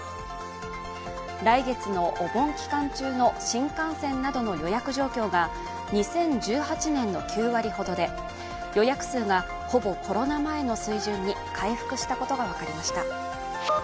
来月のお盆期間中の新幹線などの予約状況が２０１８年の９割ほどで予約数がほぼコロナ前の水準に回復したことが分かりました。